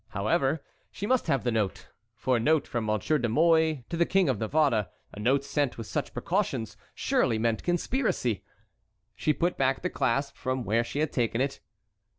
However, she must have the note, for a note from Monsieur de Mouy to the King of Navarre, a note sent with such precautions, surely meant conspiracy. She put back the clasp from where she had taken it.